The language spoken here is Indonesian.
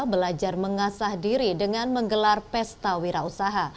belajar mengasah diri dengan menggelar pesta wira usaha